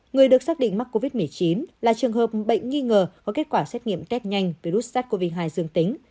người được xác định mắc covid một mươi chín là trường hợp bệnh nghi ngờ có kết quả xét nghiệm test nhanh virus sars cov hai dương tính